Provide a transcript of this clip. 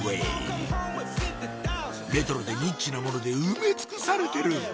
レトロでニッチな物で埋め尽くされてる